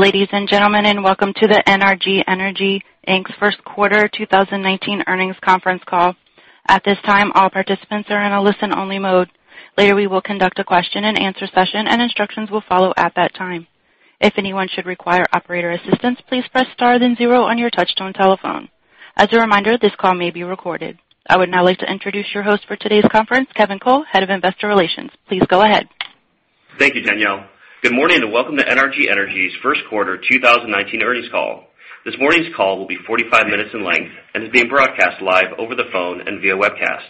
Ladies and gentlemen, welcome to the NRG Energy, Inc.'s first quarter 2019 earnings conference call. At this time, all participants are in a listen-only mode. Later, we will conduct a question and answer session, and instructions will follow at that time. If anyone should require operator assistance, please press star then zero on your touch-tone telephone. As a reminder, this call may be recorded. I would now like to introduce your host for today's conference, Kevin Cole, Head of Investor Relations. Please go ahead. Thank you, Danielle. Good morning and welcome to NRG Energy's first quarter 2019 earnings call. This morning's call will be 45 minutes in length and is being broadcast live over the phone and via webcast,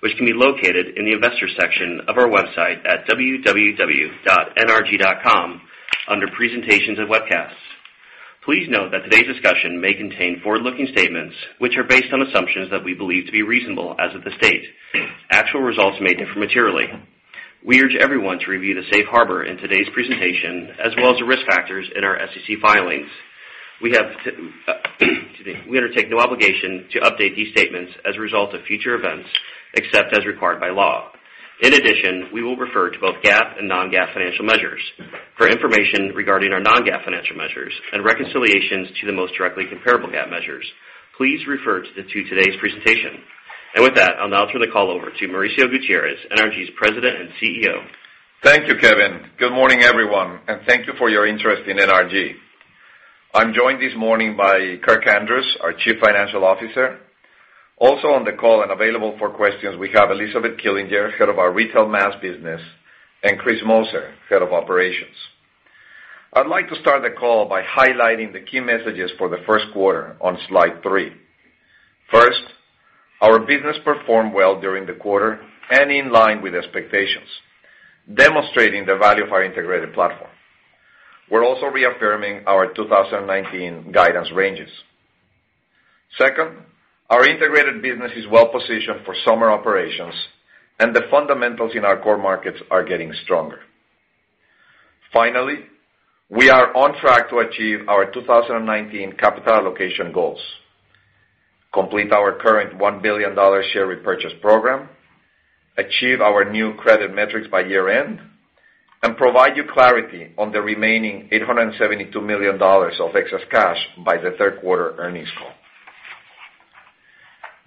which can be located in the Investors section of our website at www.nrg.com under presentations and webcasts. Please note that today's discussion may contain forward-looking statements, which are based on assumptions that we believe to be reasonable as of the date. Actual results may differ materially. We urge everyone to review the safe harbor in today's presentation, as well as the risk factors in our SEC filings. Excuse me. We undertake no obligation to update these statements as a result of future events, except as required by law. In addition, we will refer to both GAAP and non-GAAP financial measures. For information regarding our non-GAAP financial measures and reconciliations to the most directly comparable GAAP measures, please refer to today's presentation. With that, I'll now turn the call over to Mauricio Gutierrez, NRG's President and CEO. Thank you, Kevin. Good morning, everyone, thank you for your interest in NRG. I'm joined this morning by Kirk Andrews, our Chief Financial Officer. Also on the call and available for questions, we have Elizabeth Killinger, Head of our Retail Mass business, and Chris Moser, Head of Operations. I'd like to start the call by highlighting the key messages for the first quarter on slide three. First, our business performed well during the quarter and in line with expectations, demonstrating the value of our integrated platform. We're also reaffirming our 2019 guidance ranges. Second, our integrated business is well-positioned for summer operations, the fundamentals in our core markets are getting stronger. Finally, we are on track to achieve our 2019 capital allocation goals, complete our current $1 billion share repurchase program, achieve our new credit metrics by year-end, and provide you clarity on the remaining $872 million of excess cash by the third quarter earnings call.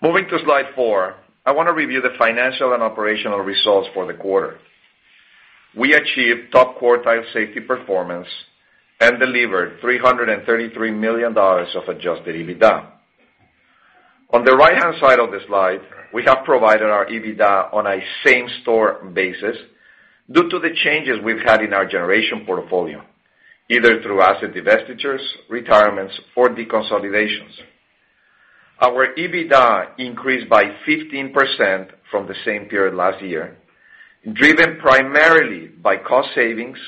Moving to slide four, I want to review the financial and operational results for the quarter. We achieved top-quartile safety performance and delivered $333 million of adjusted EBITDA. On the right-hand side of the slide, we have provided our EBITDA on a same-store basis due to the changes we've had in our generation portfolio, either through asset divestitures, retirements, or deconsolidations. Our EBITDA increased by 15% from the same period last year, driven primarily by cost savings,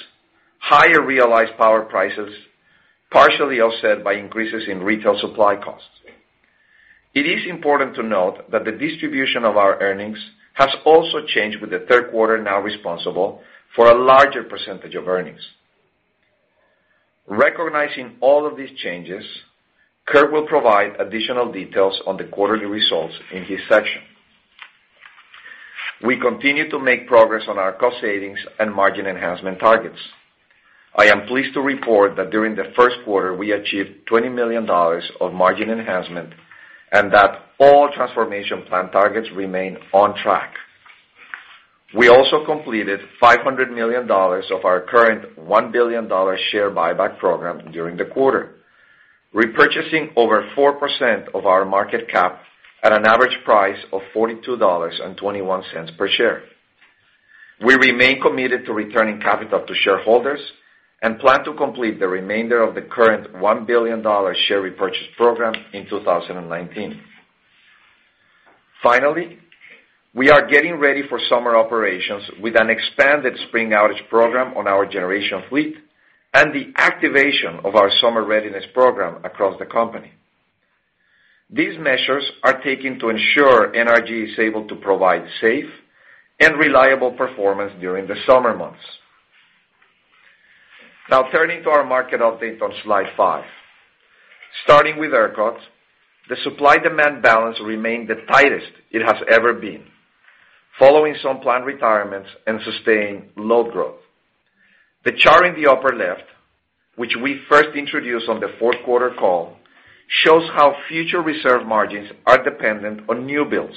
higher realized power prices, partially offset by increases in retail supply costs. It is important to note that the distribution of our earnings has also changed, with the third quarter now responsible for a larger percentage of earnings. Recognizing all of these changes, Kirk will provide additional details on the quarterly results in his section. We continue to make progress on our cost savings and margin enhancement targets. I am pleased to report that during the first quarter, we achieved $20 million of margin enhancement and that all transformation plan targets remain on track. We also completed $500 million of our current $1 billion share buyback program during the quarter, repurchasing over 4% of our market cap at an average price of $42.21 per share. We remain committed to returning capital to shareholders and plan to complete the remainder of the current $1 billion share repurchase program in 2019. Finally, we are getting ready for summer operations with an expanded spring outage program on our generation fleet and the activation of our summer readiness program across the company. These measures are taken to ensure NRG is able to provide safe and reliable performance during the summer months. Turning to our market update on slide five. Starting with ERCOT, the supply-demand balance remained the tightest it has ever been, following some planned retirements and sustained low growth. The chart in the upper left, which we first introduced on the fourth quarter call, shows how future reserve margins are dependent on new builds,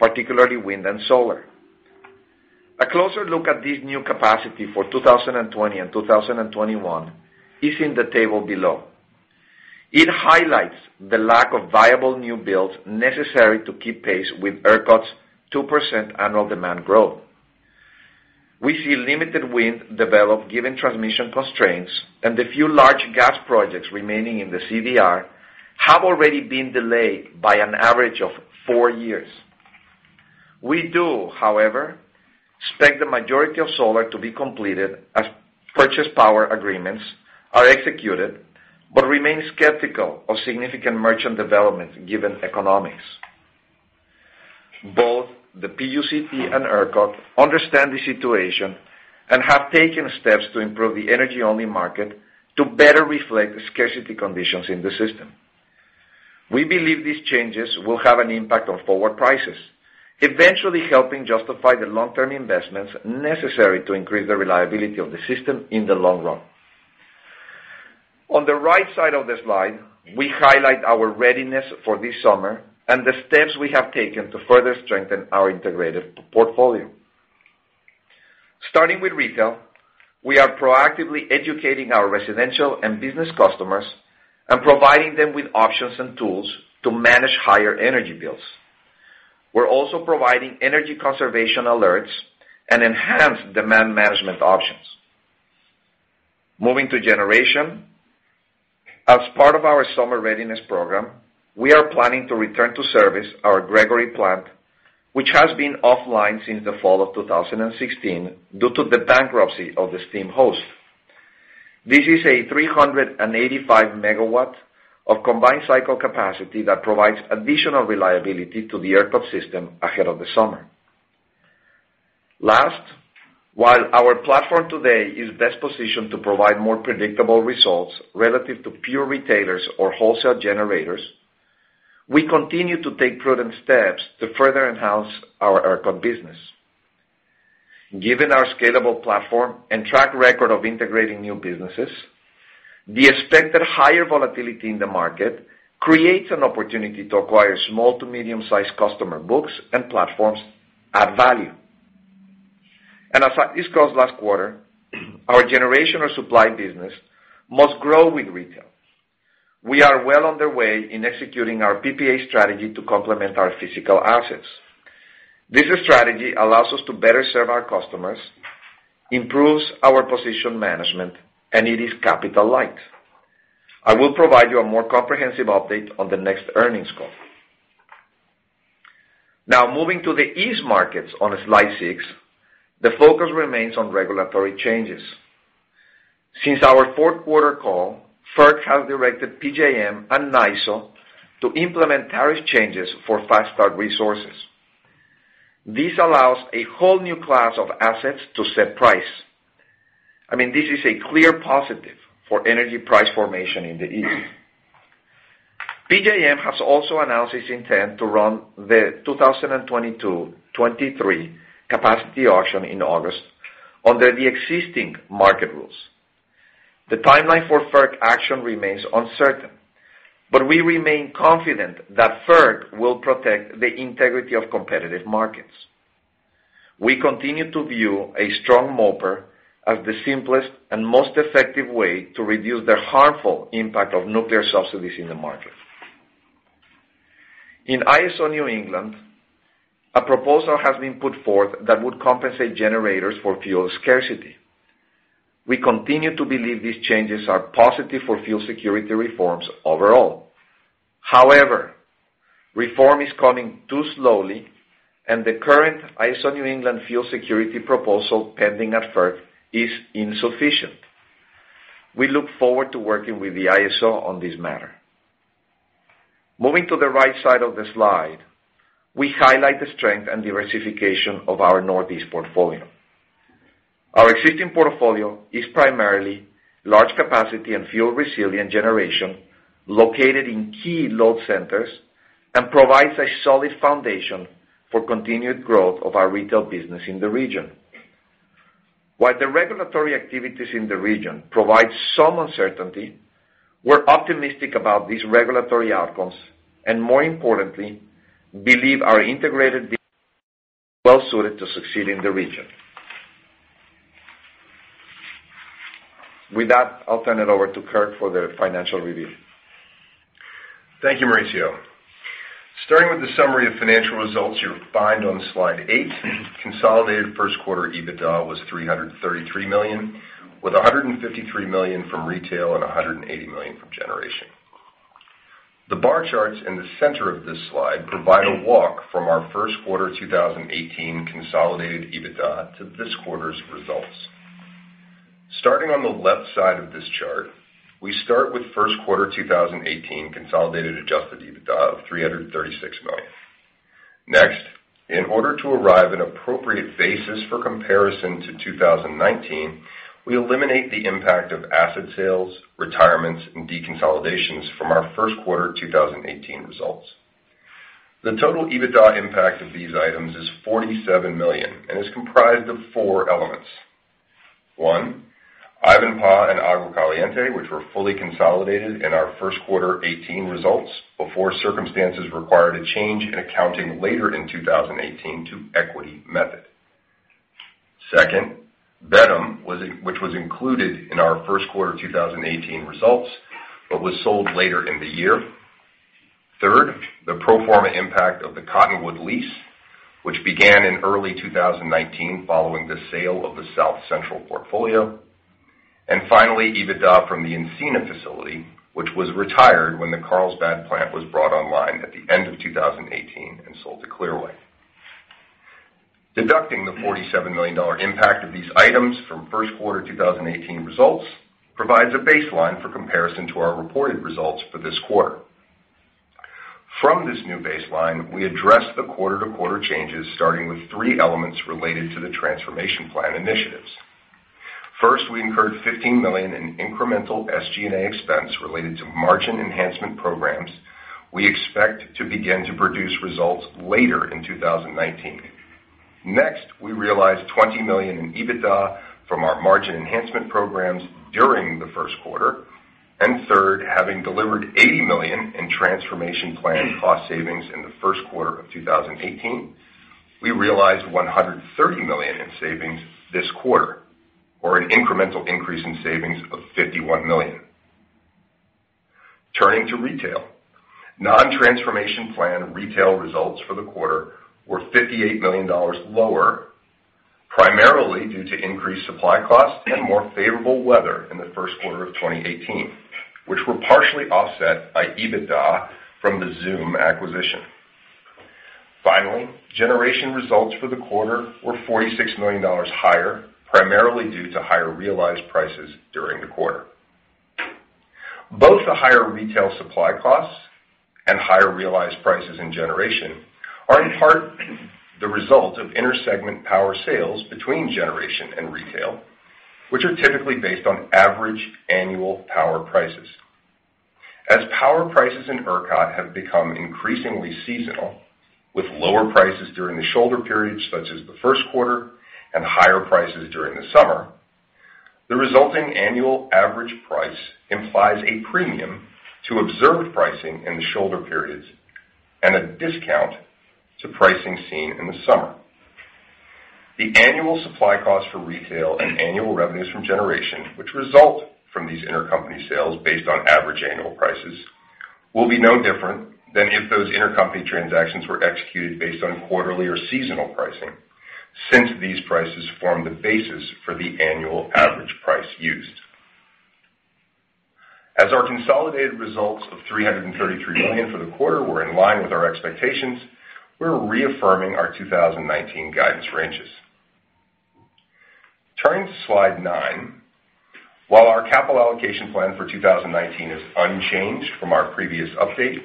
particularly wind and solar. A closer look at this new capacity for 2020 and 2021 is in the table below. It highlights the lack of viable new builds necessary to keep pace with ERCOT's 2% annual demand growth. We see limited wind develop given transmission constraints. The few large gas projects remaining in the CDR have already been delayed by an average of four years. We do, however, expect the majority of solar to be completed as purchase power agreements are executed, but remain skeptical of significant merchant development given economics. Both the PUCT and ERCOT understand the situation and have taken steps to improve the energy-only market to better reflect the scarcity conditions in the system. We believe these changes will have an impact on forward prices, eventually helping justify the long-term investments necessary to increase the reliability of the system in the long run. On the right side of the slide, we highlight our readiness for this summer and the steps we have taken to further strengthen our integrated portfolio. Starting with retail, we are proactively educating our residential and business customers and providing them with options and tools to manage higher energy bills. We're also providing energy conservation alerts and enhanced demand management options. Moving to generation. As part of our summer readiness program, we are planning to return to service our Gregory Plant, which has been offline since the fall of 2016 due to the bankruptcy of the steam host. This is a 385 MW of combined cycle capacity that provides additional reliability to the ERCOT system ahead of the summer. Last, while our platform today is best positioned to provide more predictable results relative to pure retailers or wholesale generators, we continue to take prudent steps to further enhance our ERCOT business. Given our scalable platform and track record of integrating new businesses, the expected higher volatility in the market creates an opportunity to acquire small to medium-sized customer books and platforms at value. As I discussed last quarter, our generation or supply business must grow with retail. We are well on the way in executing our PPA strategy to complement our physical assets. This strategy allows us to better serve our customers, improves our position management, and it is capital light. I will provide you a more comprehensive update on the next earnings call. Moving to the east markets on slide six, the focus remains on regulatory changes. Since our fourth quarter call, FERC has directed PJM and MISO to implement tariff changes for fast start resources. This allows a whole new class of assets to set price. This is a clear positive for energy price formation in the east. PJM has also announced its intent to run the 2022-23 capacity auction in August under the existing market rules. The timeline for FERC action remains uncertain, but we remain confident that FERC will protect the integrity of competitive markets. We continue to view a strong MOPR as the simplest and most effective way to reduce the harmful impact of nuclear subsidies in the market. In ISO New England, a proposal has been put forth that would compensate generators for fuel scarcity. We continue to believe these changes are positive for fuel security reforms overall. However, reform is coming too slowly, and the current ISO New England fuel security proposal pending at FERC is insufficient. We look forward to working with the ISO on this matter. Moving to the right side of the slide, we highlight the strength and diversification of our Northeast portfolio. Our existing portfolio is primarily large capacity and fuel-resilient generation located in key load centers and provides a solid foundation for continued growth of our retail business in the region. While the regulatory activities in the region provide some uncertainty, we're optimistic about these regulatory outcomes. More importantly, believe our integrated well-suited to succeed in the region. With that, I'll turn it over to Kirk for the financial review. Thank you, Mauricio. Starting with the summary of financial results you find on slide eight, consolidated first quarter EBITDA was $333 million, with $153 million from retail and $180 million from generation. The bar charts in the center of this slide provide a walk from our first quarter 2018 consolidated EBITDA to this quarter's results. Starting on the left side of this chart, we start with first quarter 2018 consolidated adjusted EBITDA of $336 million. Next, in order to arrive an appropriate basis for comparison to 2019, we eliminate the impact of asset sales, retirements, and deconsolidations from our first quarter 2018 results. The total EBITDA impact of these items is $47 million and is comprised of four elements. One, Ivanpah and Agua Caliente, which were fully consolidated in our first quarter 2018 results before circumstances required a change in accounting later in 2018 to equity method. Second, GenOn, which was included in our first quarter 2018 results, but was sold later in the year. Third, the pro forma impact of the Cottonwood lease, which began in early 2019 following the sale of the South Central portfolio. Finally, EBITDA from the Encina facility, which was retired when the Carlsbad plant was brought online at the end of 2018 and sold to Clearway. Deducting the $47 million impact of these items from first quarter 2018 results provides a baseline for comparison to our reported results for this quarter. From this new baseline, we address the quarter-to-quarter changes, starting with three elements related to the transformation plan initiatives. First, we incurred $15 million in incremental SG&A expense related to margin enhancement programs. We expect to begin to produce results later in 2019. Next, we realized $20 million in EBITDA from our margin enhancement programs during the first quarter. Third, having delivered $80 million in transformation plan cost savings in the first quarter of 2018, we realized $130 million in savings this quarter, or an incremental increase in savings of $51 million. Turning to retail. Non-transformation plan retail results for the quarter were $58 million lower, primarily due to increased supply costs and more favorable weather in the first quarter of 2018, which were partially offset by EBITDA from the XOOM acquisition. Finally, generation results for the quarter were $46 million higher, primarily due to higher realized prices during the quarter. Both the higher retail supply costs and higher realized prices in generation are in part the result of inter-segment power sales between generation and retail, which are typically based on average annual power prices. As power prices in ERCOT have become increasingly seasonal, with lower prices during the shoulder periods such as the first quarter, and higher prices during the summer, the resulting annual average price implies a premium to observed pricing in the shoulder periods and a discount to pricing seen in the summer. The annual supply costs for retail and annual revenues from generation, which result from these intercompany sales based on average annual prices, will be no different than if those intercompany transactions were executed based on quarterly or seasonal pricing, since these prices form the basis for the annual average price used. As our consolidated results of $333 million for the quarter were in line with our expectations, we're reaffirming our 2019 guidance ranges. Turning to slide nine. While our capital allocation plan for 2019 is unchanged from our previous update,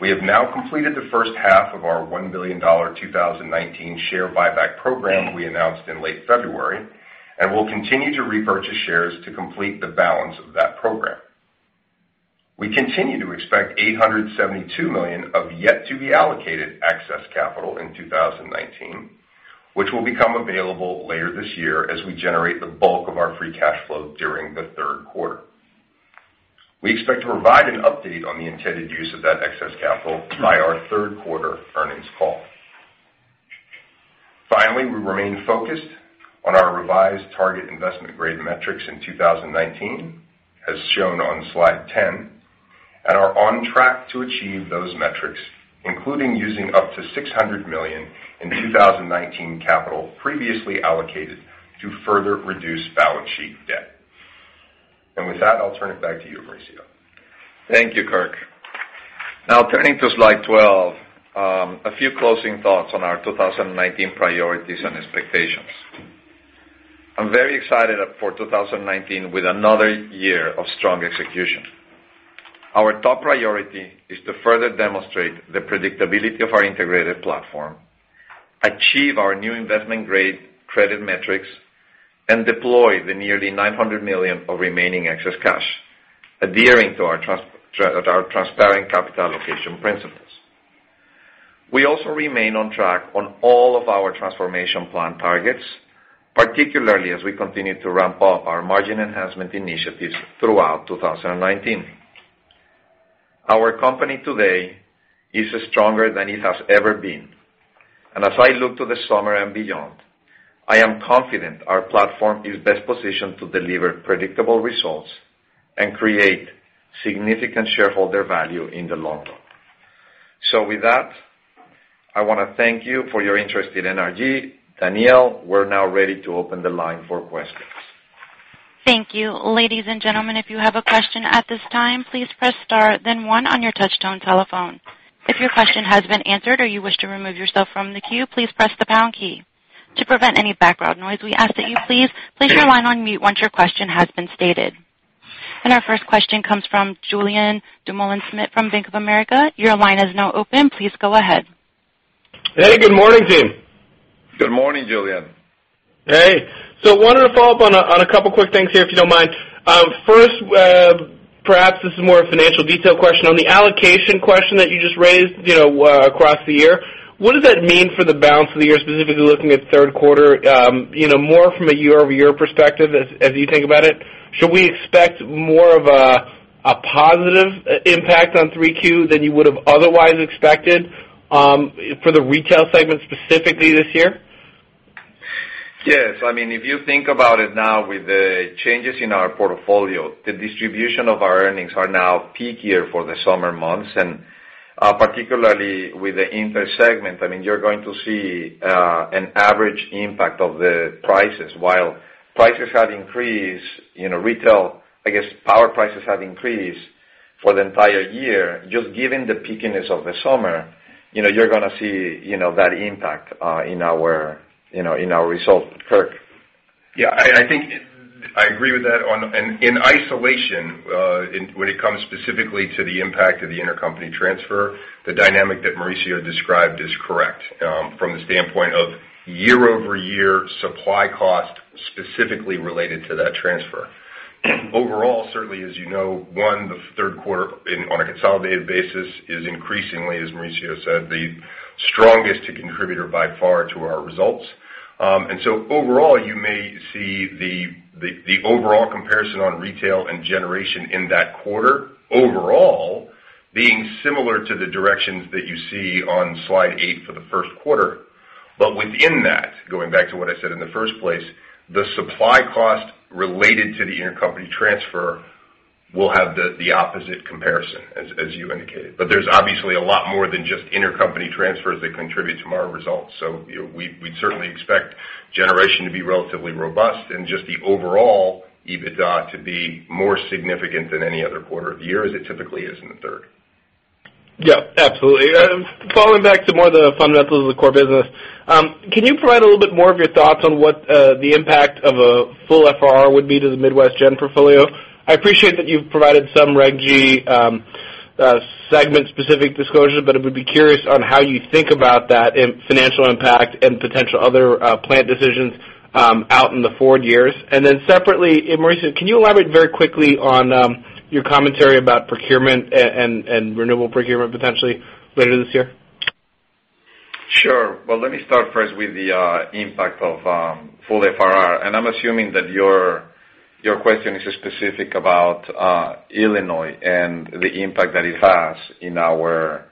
we have now completed the first half of our $1 billion 2019 share buyback program we announced in late February. We'll continue to repurchase shares to complete the balance of that program. We continue to expect $872 million of yet-to-be-allocated excess capital in 2019, which will become available later this year as we generate the bulk of our free cash flow during the third quarter. We expect to provide an update on the intended use of that excess capital by our third-quarter earnings call. Finally, we remain focused on our revised target investment-grade metrics in 2019, as shown on slide 10, and are on track to achieve those metrics, including using up to $600 million in 2019 capital previously allocated to further reduce balance sheet debt. With that, I'll turn it back to you, Mauricio. Thank you, Kirk. Turning to slide 12, a few closing thoughts on our 2019 priorities and expectations. I'm very excited for 2019 with another year of strong execution. Our top priority is to further demonstrate the predictability of our integrated platform, achieve our new investment-grade credit metrics, and deploy the nearly $900 million of remaining excess cash, adhering to our transparent capital allocation principles. We also remain on track on all of our transformation plan targets, particularly as we continue to ramp up our margin enhancement initiatives throughout 2019. Our company today is stronger than it has ever been. As I look to the summer and beyond, I am confident our platform is best positioned to deliver predictable results and create significant shareholder value in the long run. With that, I want to thank you for your interest in NRG. Danielle, we're now ready to open the line for questions. Thank you. Ladies and gentlemen, if you have a question at this time, please press star then one on your touchtone telephone. If your question has been answered or you wish to remove yourself from the queue, please press the pound key. To prevent any background noise, we ask that you please place your line on mute once your question has been stated. Our first question comes from Julien Dumoulin-Smith from Bank of America. Your line is now open. Please go ahead. Hey, good morning, team. Good morning, Julien. Hey. Wanted to follow up on a couple quick things here, if you don't mind. First, perhaps this is more a financial detail question. On the allocation question that you just raised across the year, what does that mean for the balance of the year, specifically looking at third quarter, more from a year-over-year perspective as you think about it? Should we expect more of a positive impact on 3Q than you would've otherwise expected for the retail segment specifically this year? Yes. If you think about it now with the changes in our portfolio, the distribution of our earnings are now peakier for the summer months, and particularly with the intersegment, you're going to see an average impact of the prices. While prices have increased, retail, I guess power prices have increased for the entire year, just given the peakiness of the summer, you're going to see that impact in our results. Kirk? I think I agree with that. In isolation, when it comes specifically to the impact of the intercompany transfer, the dynamic that Mauricio described is correct from the standpoint of year-over-year supply cost, specifically related to that transfer. Overall, certainly as you know, one, the third quarter on a consolidated basis is increasingly, as Mauricio said, the strongest contributor by far to our results. Overall, you may see the overall comparison on retail and generation in that quarter overall being similar to the directions that you see on slide eight for the first quarter. Within that, going back to what I said in the first place, the supply cost related to the intercompany transfer will have the opposite comparison as you indicated. There's obviously a lot more than just intercompany transfers that contribute to our results. We'd certainly expect generation to be relatively robust and just the overall EBITDA to be more significant than any other quarter of the year, as it typically is in the third. Yeah, absolutely. Falling back to more of the fundamentals of the core business. Can you provide a little bit more of your thoughts on what the impact of a full FRR would be to the Midwest Gen portfolio? I appreciate that you've provided some Reg G, segment specific disclosure, I would be curious on how you think about that in financial impact and potential other plant decisions out in the forward years. Separately, Mauricio, can you elaborate very quickly on your commentary about procurement and renewable procurement potentially later this year? Sure. Well, let me start first with the impact of full FRR, I'm assuming that your question is specific about Illinois and the impact that it has in our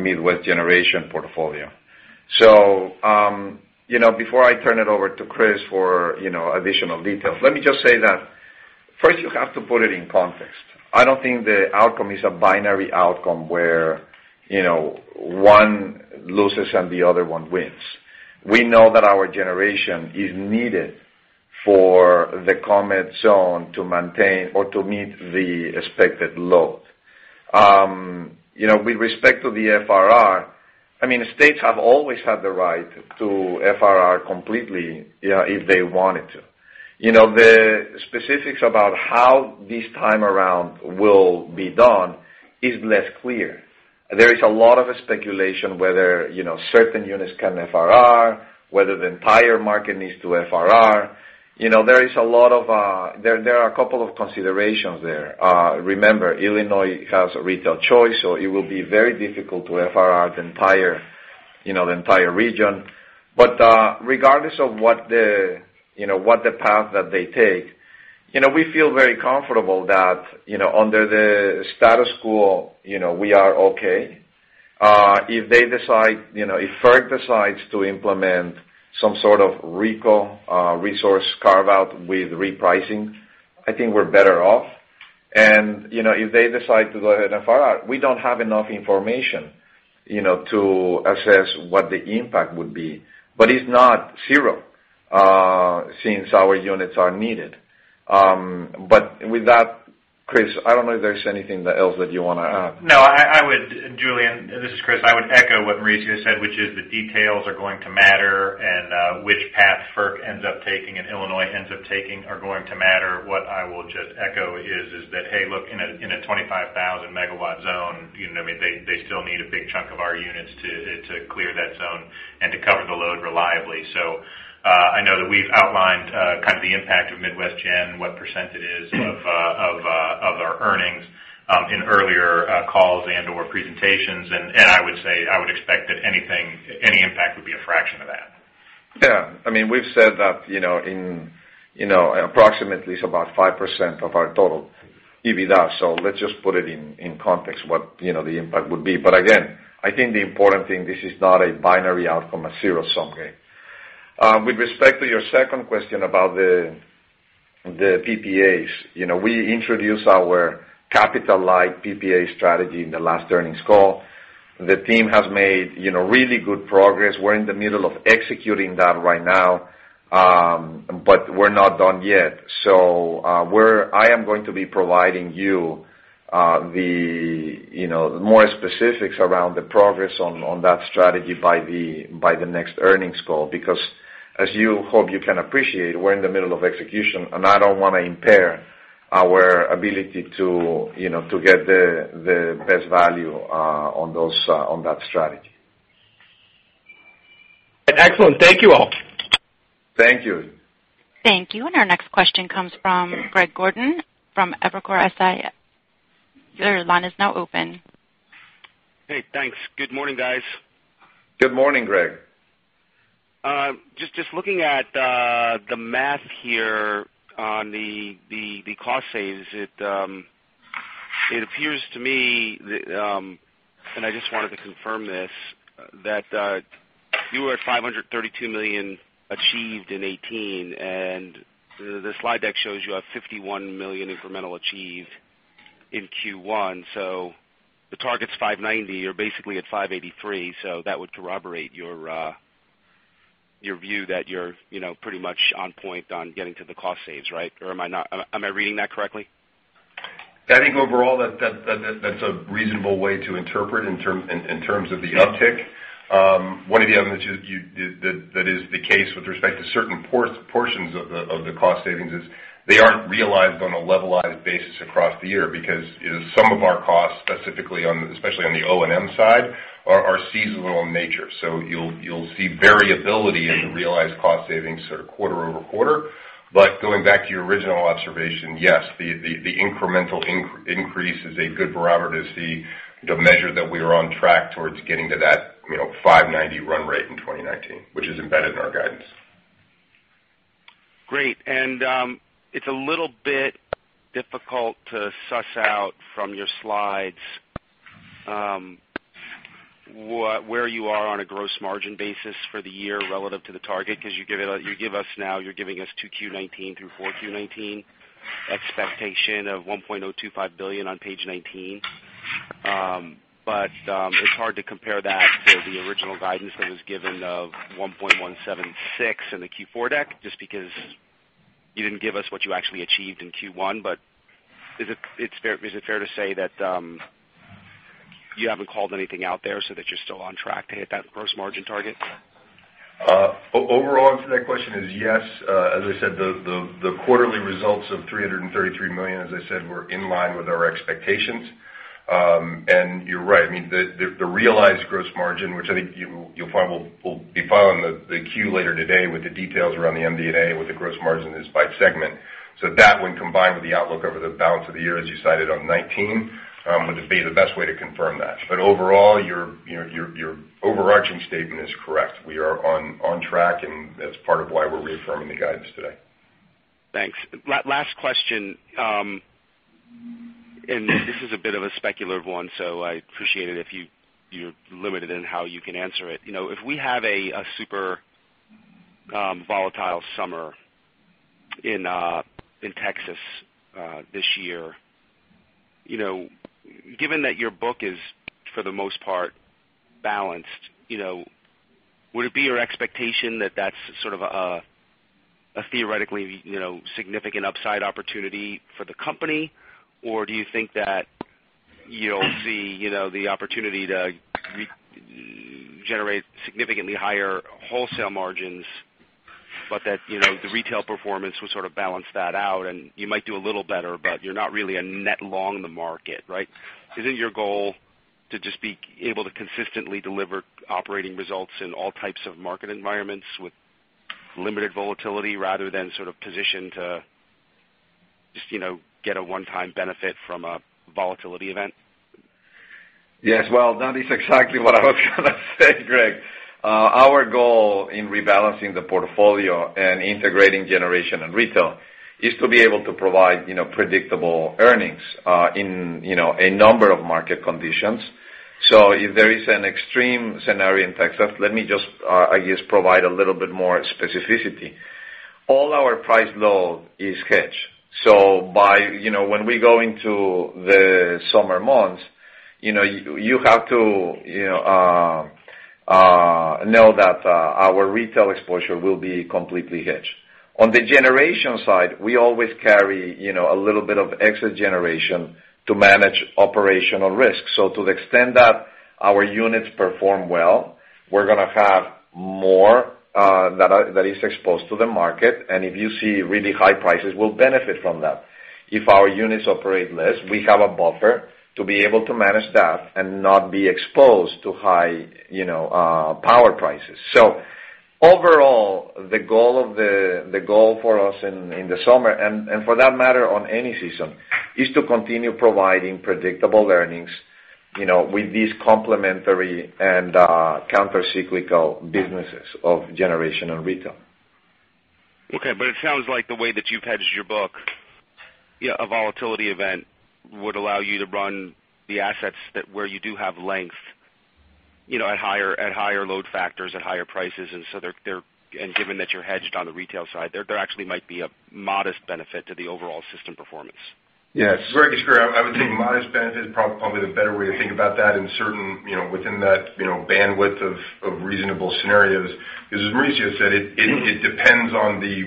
Midwest generation portfolio. Before I turn it over to Chris for additional details, let me just say that, first you have to put it in context. I don't think the outcome is a binary outcome where one loses and the other one wins. We know that our generation is needed for the ComEd zone to maintain or to meet the expected load. With respect to the FRR, states have always had the right to FRR completely if they wanted to. The specifics about how this time around will be done is less clear. There is a lot of speculation whether certain units can FRR, whether the entire market needs to FRR. There are a couple of considerations there. Remember, Illinois has a retail choice, so it will be very difficult to FRR the entire region. Regardless of what the path that they take, we feel very comfortable that under the status quo we are okay. If FERC decides to implement some sort of resource carve-out with repricing, I think we're better off. If they decide to go ahead and FRR, we don't have enough information to assess what the impact would be. It's not zero since our units are needed. With that, Chris, I don't know if there's anything else that you want to add. No, I would, Julien, this is Chris. I would echo what Mauricio said, which is the details are going to matter and which path FERC ends up taking and Illinois ends up taking are going to matter. What I will just echo is that, hey, look, in a 25,000-megawatt zone, they still need a big chunk of our units to clear that zone and to cover the load reliably. I know that we've outlined kind of the impact of Midwest Gen, what percent it is of our earnings in earlier calls and/or presentations. I would say, I would expect that any impact would be a fraction of that. Yeah. We've said that in approximately it's about 5% of our total EBITDA. Let's just put it in context what the impact would be. Again, I think the important thing, this is not a binary outcome, a zero-sum game. With respect to your second question about the PPAs. We introduced our capital-like PPA strategy in the last earnings call. The team has made really good progress. We're in the middle of executing that right now but we're not done yet. I am going to be providing you more specifics around the progress on that strategy by the next earnings call. As you hope you can appreciate, we're in the middle of execution, and I don't want to impair our ability to get the best value on that strategy. Excellent. Thank you, all. Thank you. Thank you. Our next question comes from Greg Gordon from Evercore ISI. Your line is now open. Hey, thanks. Good morning, guys. Good morning, Greg. Just looking at the math here on the cost saves. It appears to me, and I just wanted to confirm this, that you were at $532 million achieved in 2018, and the slide deck shows you have $51 million incremental achieved in Q1. The target's $590 million. You're basically at $583 million. That would corroborate your view that you're pretty much on point on getting to the cost saves, right? Or am I reading that correctly? I think overall that's a reasonable way to interpret in terms of the uptick. One of the elements that is the case with respect to certain portions of the cost savings is they aren't realized on a levelized basis across the year, because some of our costs, specifically, especially on the O&M side, are seasonal in nature. You'll see variability in the realized cost savings sort of quarter-over-quarter. Going back to your original observation, yes, the incremental increase is a good barometer to see the measure that we are on track towards getting to that $590 million run rate in 2019, which is embedded in our guidance. Great. It's a little bit difficult to suss out from your slides, where you are on a gross margin basis for the year relative to the target because you give us now, you're giving us 2Q 2019 through 4Q 2019 expectation of $1.025 billion on page 19. It's hard to compare that to the original guidance that was given of $1.176 billion in the Q4 deck, just because you didn't give us what you actually achieved in Q1. Is it fair to say that you haven't called anything out there so that you're still on track to hit that gross margin target? Overall, the answer to that question is yes. As I said, the quarterly results of $333 million, as I said, were in line with our expectations. You're right, the realized gross margin, which I think you'll find we'll be filing the Q later today with the details around the MD&A with the gross margin is by segment. When combined with the outlook over the balance of the year, as you cited on 2019, would be the best way to confirm that. Overall, your overarching statement is correct. We are on track, and that's part of why we're reaffirming the guidance today. Thanks. Last question. This is a bit of a speculative one, so I appreciate it if you're limited in how you can answer it. If we have a super volatile summer in Texas this year, given that your book is, for the most part, balanced, would it be your expectation that that's sort of a theoretically significant upside opportunity for the company? Or do you think that the opportunity to generate significantly higher wholesale margins, but that the retail performance would sort of balance that out and you might do a little better, but you're not really a net long in the market, right? Isn't your goal to just be able to consistently deliver operating results in all types of market environments with limited volatility rather than sort of position to just get a one-time benefit from a volatility event? Yes. That is exactly what I was going to say, Greg. Our goal in rebalancing the portfolio and integrating generation and retail is to be able to provide predictable earnings in a number of market conditions. If there is an extreme scenario in Texas, let me just, I guess, provide a little bit more specificity. All our price load is hedged. When we go into the summer months, you have to know that our retail exposure will be completely hedged. On the generation side, we always carry a little bit of exit generation to manage operational risk. To the extent that our units perform well, we're going to have more that is exposed to the market. If you see really high prices, we'll benefit from that. If our units operate less, we have a buffer to be able to manage that and not be exposed to high power prices. Overall, the goal for us in the summer, and for that matter, on any season, is to continue providing predictable earnings with these complementary and countercyclical businesses of generation and retail. Okay, it sounds like the way that you've hedged your book, a volatility event would allow you to run the assets where you do have length at higher load factors, at higher prices, and given that you're hedged on the retail side, there actually might be a modest benefit to the overall system performance. Yes. Greg, it's Greg. I would think modest benefit is probably the better way to think about that within that bandwidth of reasonable scenarios. As Mauricio said, it depends on the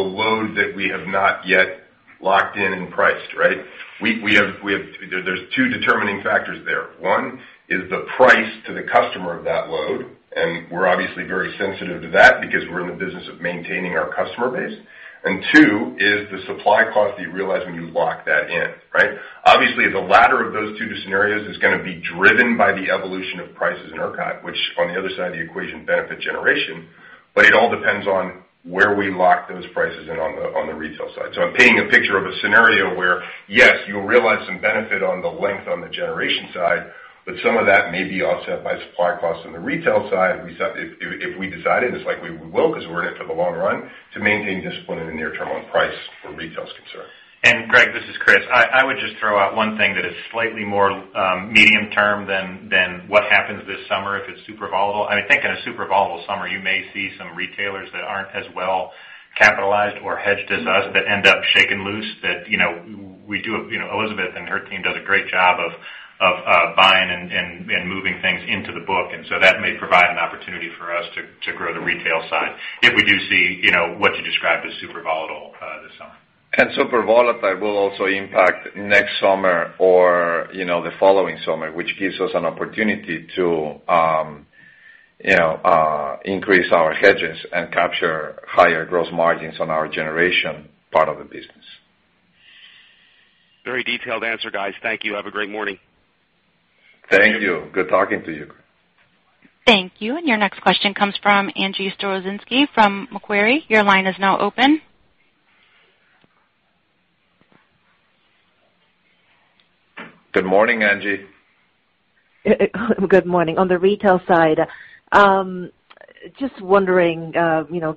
load that we have not yet locked in and priced, right? There's two determining factors there. One is the price to the customer of that load, and we're obviously very sensitive to that because we're in the business of maintaining our customer base. Two is the supply cost that you realize when you lock that in, right? Obviously, the latter of those two scenarios is going to be driven by the evolution of prices in ERCOT, which on the other side of the equation benefits generation. It all depends on where we lock those prices in on the retail side. I'm painting a picture of a scenario where, yes, you'll realize some benefit on the length on the generation side, some of that may be offset by supply costs on the retail side, if we decided, it's likely we will because we're in it for the long run, to maintain discipline in the near term on price where retail is concerned. Greg, this is Chris. I would just throw out one thing that is slightly more medium-term than what happens this summer if it's super volatile. I think in a super volatile summer, you may see some retailers that aren't as well capitalized or hedged as us that end up shaken loose. Elizabeth and her team does a great job of buying and moving things into the book, that may provide opportunity for us to grow the retail side if we do see what you described as super volatile this summer. Super volatile will also impact next summer or the following summer, which gives us an opportunity to increase our hedges and capture higher gross margins on our generation part of the business. Very detailed answer, guys. Thank you. Have a great morning. Thank you. Good talking to you. Thank you. Your next question comes from Angie Storozynski from Macquarie. Your line is now open. Good morning, Angie. Good morning. On the retail side, just wondering,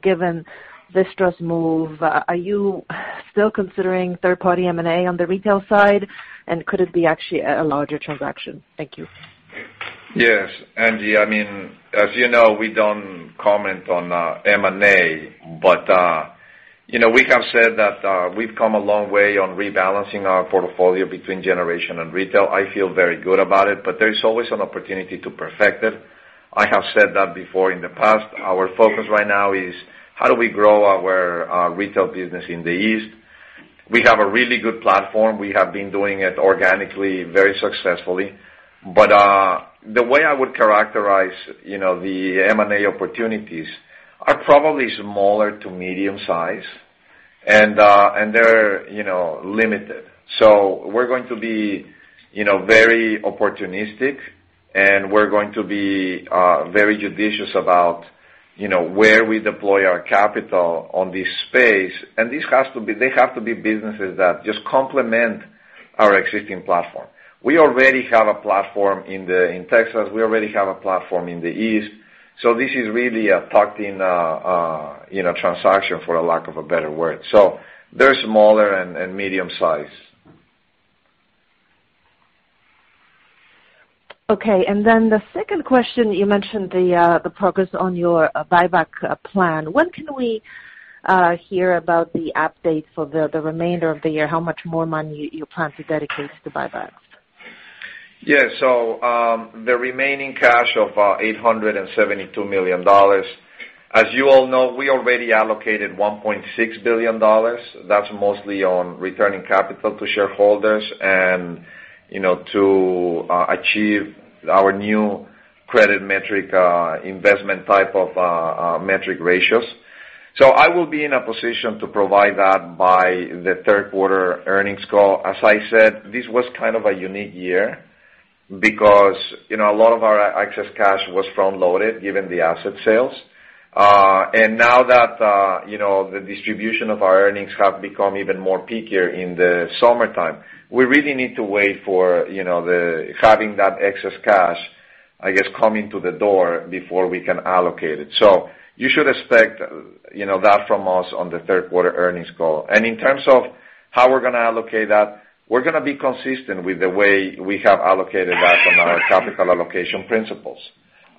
given Vistra's move, are you still considering third-party M&A on the retail side, and could it be actually a larger transaction? Thank you. Yes, Angie. As you know, we don't comment on M&A, but we have said that we've come a long way on rebalancing our portfolio between generation and retail. I feel very good about it, but there is always an opportunity to perfect it. I have said that before in the past. Our focus right now is how do we grow our retail business in the East. We have a really good platform. We have been doing it organically, very successfully. The way I would characterize the M&A opportunities are probably smaller to medium size, and they're limited. We're going to be very opportunistic, and we're going to be very judicious about where we deploy our capital on this space. They have to be businesses that just complement our existing platform. We already have a platform in Texas. We already have a platform in the East. This is really a tucked-in transaction, for a lack of a better word. They're smaller and medium size. Okay, the second question, you mentioned the progress on your buyback plan. When can we hear about the update for the remainder of the year? How much more money you plan to dedicate to buybacks? Yeah. The remaining cash of $872 million. As you all know, we already allocated $1.6 billion. That's mostly on returning capital to shareholders and to achieve our new credit metric, investment type of metric ratios. I will be in a position to provide that by the third quarter earnings call. As I said, this was kind of a unique year because a lot of our excess cash was front-loaded given the asset sales. Now that the distribution of our earnings have become even more peakier in the summertime, we really need to wait for having that excess cash, I guess, coming to the door before we can allocate it. You should expect that from us on the third quarter earnings call. In terms of how we're going to allocate that, we're going to be consistent with the way we have allocated that on our capital allocation principles.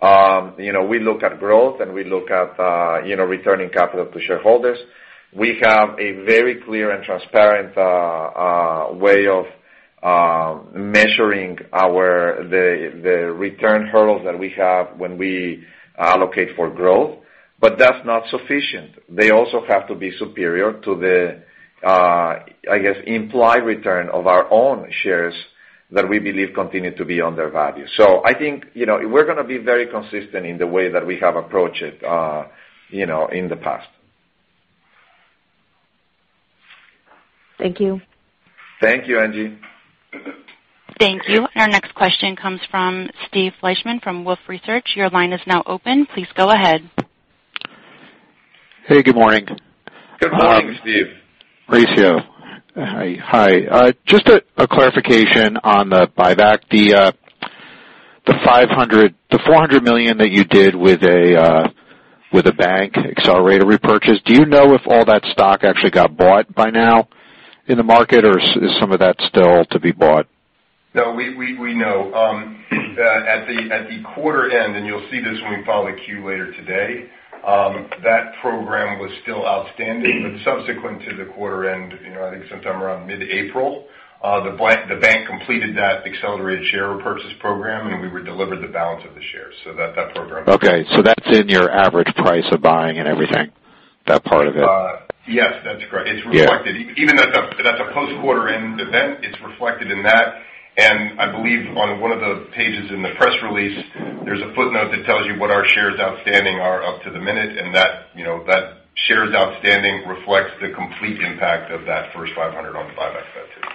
We look at growth, and we look at returning capital to shareholders. We have a very clear and transparent way of measuring the return hurdles that we have when we allocate for growth, but that's not sufficient. They also have to be superior to the, I guess, implied return of our own shares that we believe continue to be on their value. I think we're going to be very consistent in the way that we have approached it in the past. Thank you. Thank you, Angie. Thank you. Our next question comes from Steve Fleishman from Wolfe Research. Your line is now open. Please go ahead. Hey, good morning. Good morning, Steve. Mauricio. Hi. Just a clarification on the buyback. The $400 million that you did with a bank accelerated repurchase, do you know if all that stock actually got bought by now in the market, or is some of that still to be bought? No, we know. At the quarter end, and you'll see this when we file the Q later today, that program was still outstanding. Subsequent to the quarter end, I think sometime around mid-April, the bank completed that accelerated share repurchase program, and we were delivered the balance of the shares. That program. Okay. That's in your average price of buying and everything, that part of it? Yes, that's correct. Yeah. It's reflected. Even that's a post-quarter end event, it's reflected in that. I believe on one of the pages in the press release, there's a footnote that tells you what our shares outstanding are up to the minute, and that shares outstanding reflects the complete impact of that first $500 on the buyback that's in.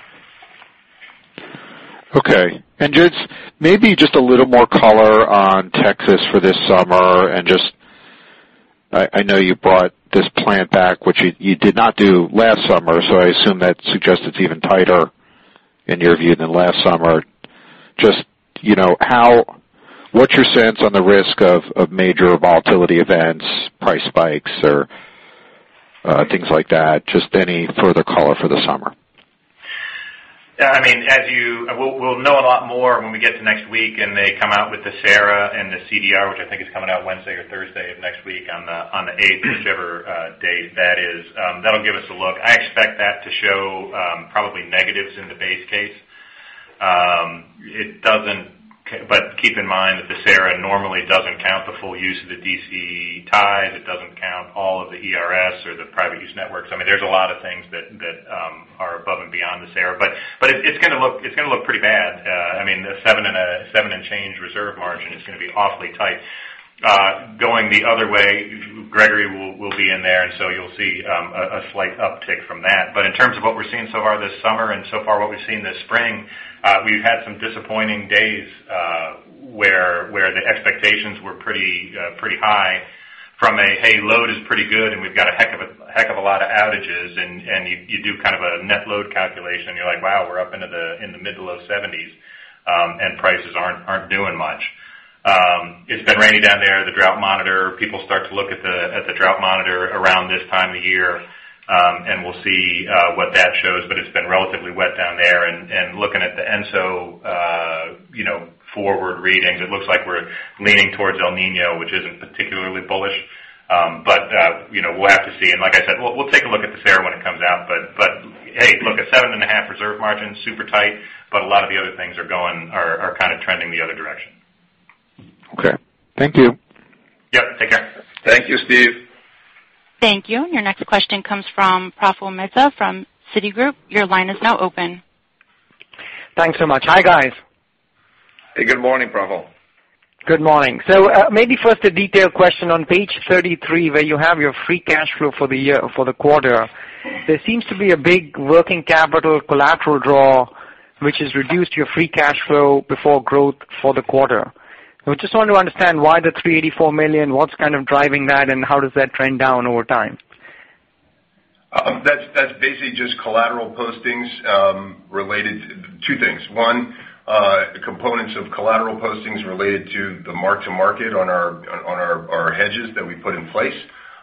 Okay. Chris, maybe just a little more color on Texas for this summer and just I know you brought this plant back, which you did not do last summer, so I assume that suggests it's even tighter, in your view, than last summer. Just what's your sense on the risk of major volatility events, price spikes, or things like that? Just any further color for the summer. We'll know a lot more when we get to next week, and they come out with the SARA and the CDR, which I think is coming out Wednesday or Thursday of next week on the 8th, whichever day that is. That'll give us a look. I expect that to show probably negatives in the base case. Keep in mind that the SARA normally doesn't count the full use of the DC ties. It doesn't count all of the ERS or the private use networks. There's a lot of things that are above and beyond the SARA. It's going to look pretty bad. A 7 and change reserve margin is going to be awfully tight. Going the other way, Gregory will be in there, so you'll see a slight uptick from that. In terms of what we're seeing so far this summer and so far what we've seen this spring, we've had some disappointing days, where the expectations were pretty high from a, "Hey, load is pretty good, and we've got a heck of a lot of outages." You do kind of a net load calculation, and you're like, "Wow, we're up into the mid to low 70s, and prices aren't doing much." It's been rainy down there. The drought monitor, people start to look at the drought monitor around this time of year, and we'll see what that shows. It's been relatively wet down there. Looking at the ENSO forward readings, it looks like we're leaning towards El Niño, which isn't particularly bullish. We'll have to see, and like I said, we'll take a look at the SARA when it comes out. Hey, look, a 7.5 reserve margin, super tight. A lot of the other things are kind of trending the other direction. Okay. Thank you. Yep. Take care. Thank you, Steve. Thank you. Your next question comes from Praful Mehta from Citigroup. Your line is now open. Thanks so much. Hi, guys. Hey, good morning, Praful. Good morning. Maybe first a detailed question on page 33, where you have your free cash flow for the quarter. There seems to be a big working capital collateral draw, which has reduced your free cash flow before growth for the quarter. I just want to understand why the $384 million, what's kind of driving that, and how does that trend down over time? That's basically just collateral postings related to two things. One, components of collateral postings related to the mark to market on our hedges that we put in place.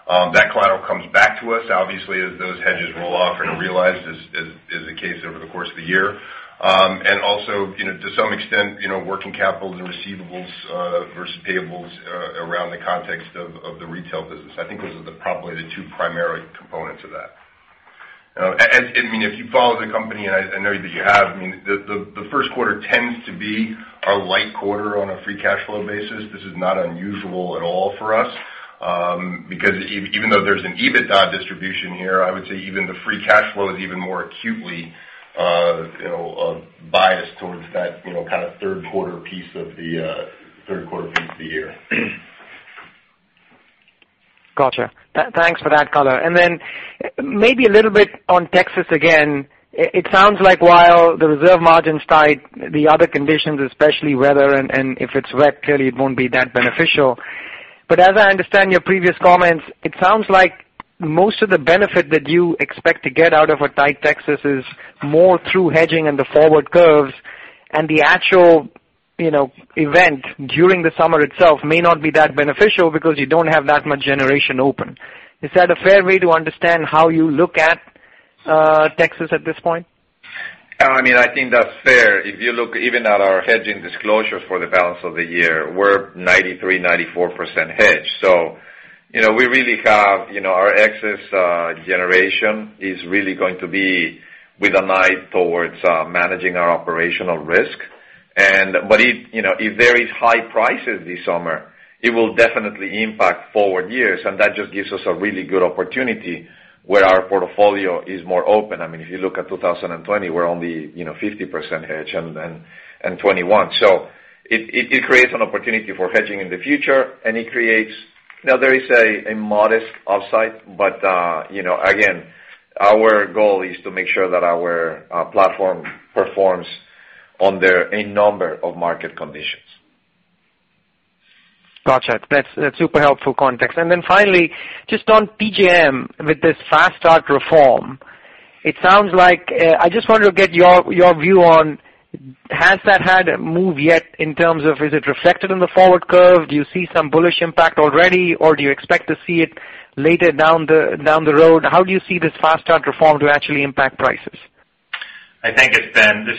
That collateral comes back to us, obviously, as those hedges roll off and are realized, as is the case over the course of the year. Also to some extent, working capital, the receivables versus payables, around the context of the retail business. I think those are probably the two primary components of that. If you follow the company, and I know that you have, the first quarter tends to be a light quarter on a free cash flow basis. This is not unusual at all for us. Even though there's an EBITDA distribution here, I would say even the free cash flow is even more acutely biased towards that kind of third quarter piece of the year. Got you. Thanks for that color. Maybe a little bit on Texas again. It sounds like while the reserve margin's tight, the other conditions, especially weather and if it's wet, clearly it won't be that beneficial. As I understand your previous comments, it sounds like most of the benefit that you expect to get out of a tight Texas is more through hedging and the forward curves. The actual event during the summer itself may not be that beneficial because you don't have that much generation open. Is that a fair way to understand how you look at Texas at this point? I think that's fair. If you look even at our hedging disclosures for the balance of the year, we're 93%, 94% hedged. Our excess generation is really going to be with an eye towards managing our operational risk. If there is high prices this summer, it will definitely impact forward years, and that just gives us a really good opportunity where our portfolio is more open. If you look at 2020, we're only 50% hedge, and 2021. It creates an opportunity for hedging in the future, and it creates. There is a modest upside. Again, our goal is to make sure that our platform performs under a number of market conditions. Got you. That's super helpful context. Finally, just on PJM with this Fast Start reform. I just wanted to get your view on, has that had a move yet in terms of is it reflected in the forward curve? Do you see some bullish impact already, or do you expect to see it later down the road? How do you see this Fast Start reform to actually impact prices? This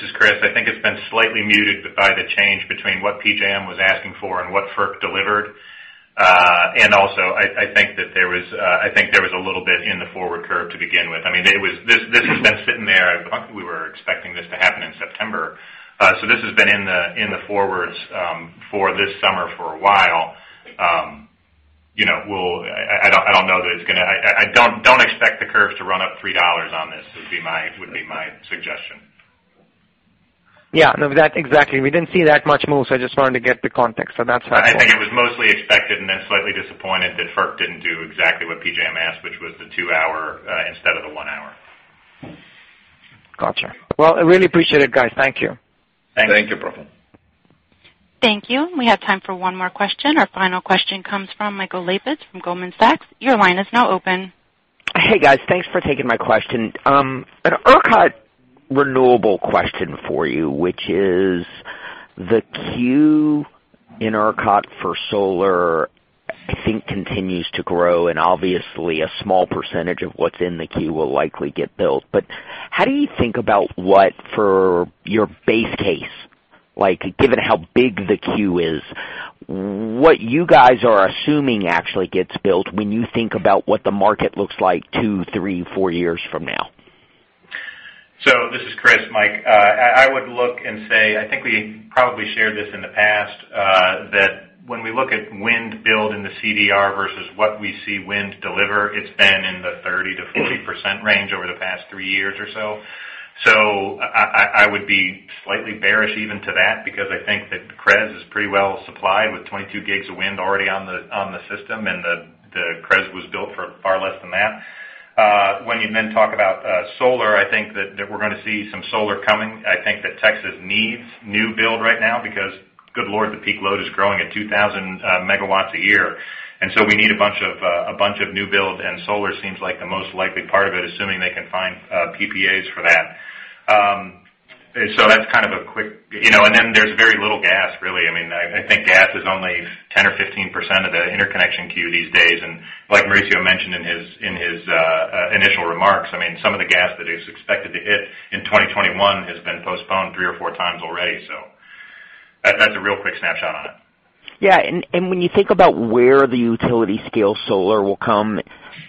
is Chris. I think it's been slightly muted by the change between what PJM was asking for and what FERC delivered. Also, I think there was a little bit in the forward curve to begin with. This has been sitting there. I think we were expecting this to happen in September. This has been in the forwards for this summer for a while. I don't expect the curves to run up $3 on this, would be my suggestion. Yeah. No, exactly. We didn't see that much move, so I just wanted to get the context. That's helpful. I think it was mostly expected and then slightly disappointed that FERC didn't do exactly what PJM asked, which was the two hour instead of the one hour. Got you. Well, I really appreciate it, guys. Thank you. Thank you, Praful. Thank you. We have time for one more question. Our final question comes from Michael Lapides from Goldman Sachs. Your line is now open. Hey, guys. Thanks for taking my question. An ERCOT renewable question for you, which is the queue in ERCOT for solar, I think, continues to grow, and obviously a small percentage of what's in the queue will likely get built. How do you think about what for your base case, given how big the queue is, what you guys are assuming actually gets built when you think about what the market looks like two, three, four years from now? This is Chris, Mike. I would look and say, I think we probably shared this in the past, that when we look at wind build in the CDR versus what we see wind deliver, it's been in the 30%-40% range over the past three years or so. I would be slightly bearish even to that because I think that CREZ is pretty well supplied with 22 gigs of wind already on the system, and the CREZ was built for far less than that. You talk about solar, I think that we're going to see some solar coming. I think that Texas needs new build right now because, good Lord, the peak load is growing at 2,000 megawatts a year. We need a bunch of new build, and solar seems like the most likely part of it, assuming they can find PPAs for that. There's very little gas, really. I think gas is only 10% or 15% of the interconnection queue these days. Like Mauricio mentioned in his initial remarks, some of the gas that is expected to hit in 2021 has been postponed three or four times already. That's a real quick snapshot on it. When you think about where the utility scale solar will come,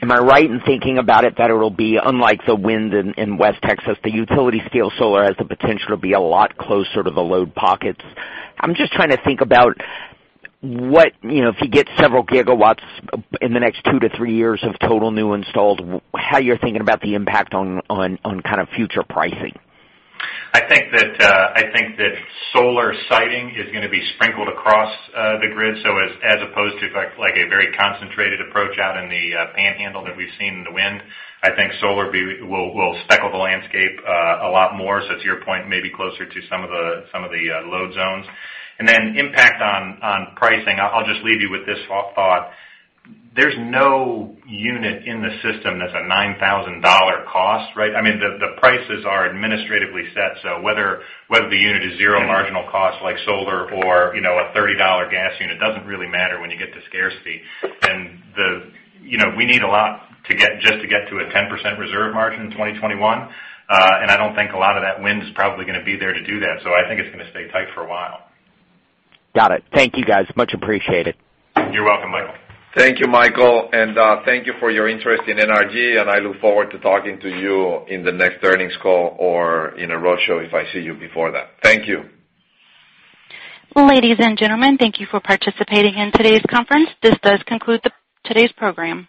am I right in thinking about it that it'll be unlike the wind in West Texas? The utility scale solar has the potential to be a lot closer to the load pockets. I'm just trying to think about what, if you get several gigawatts in the next two to three years of total new installed, how you're thinking about the impact on kind of future pricing. I think that solar siting is going to be sprinkled across the grid. As opposed to a very concentrated approach out in the panhandle that we've seen in the wind, I think solar will speckle the landscape a lot more. To your point, maybe closer to some of the load zones. Then impact on pricing, I'll just leave you with this thought. There's no unit in the system that's a $9,000 cost, right? The prices are administratively set, so whether the unit is zero marginal cost, like solar or a $30 gas unit, doesn't really matter when you get to scarcity. We need a lot just to get to a 10% reserve margin in 2021. I don't think a lot of that wind is probably going to be there to do that. I think it's going to stay tight for a while. Got it. Thank you, guys. Much appreciated. You're welcome, Michael. Thank you, Michael, and thank you for your interest in NRG, and I look forward to talking to you in the next earnings call or in a roadshow if I see you before that. Thank you. Ladies and gentlemen, thank you for participating in today's conference. This does conclude today's program.